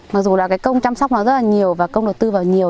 mặc dù là cái công chăm sóc nó rất là nhiều và công đầu tư vào nhiều